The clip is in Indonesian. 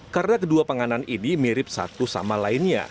karena kedua panganan ini mirip satu sama lainnya